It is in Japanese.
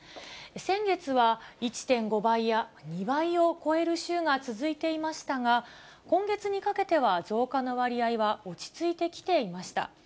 先月は１．５倍や、２倍を超える週が続いていましたが、今月にかけては増加の割合は落ち着いてきていました。